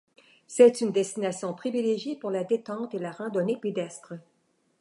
C'est une destination privilégiée pour la détente et la randonnée pédestre.